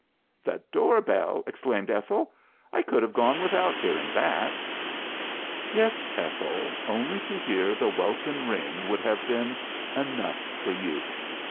"The door bell!" exclaimed Ethel. "I could have gone without hearing that." "Yes, Ethel, only to hear the welkin ring would have been enough for you.